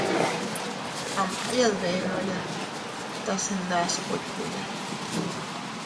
A maʼya dbenoya tase ndas kuikkuya.